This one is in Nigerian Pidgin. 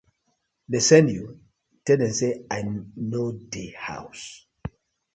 Dem send you? tell dem say I no dey house.